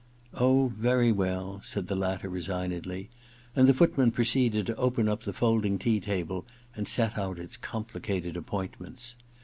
*Oh, very well,' said the latter resignedly, and the footman proceeded to open the folding tea table and set out its complicated appoint ments.